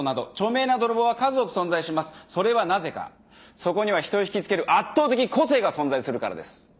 そこには人をひきつける圧倒的個性が存在するからです。